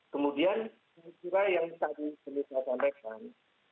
kemudian saya kira yang tadi saya sampaikan